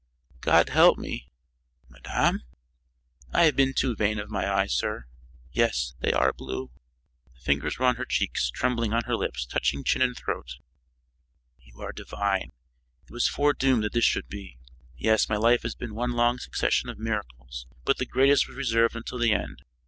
"God help me!" "Madame?" "I have been too vain of my eyes, sir. Yes, they are blue." The fingers were on her cheeks, trembling on her lips, touching chin and throat. "You are divine. It was foredoomed that this should be! Yes, my life has been one long succession of miracles, but the greatest was reserved until the end.